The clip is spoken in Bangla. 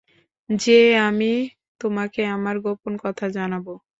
যে আমি তোমাকে আমার গোপন কথা জানাবো।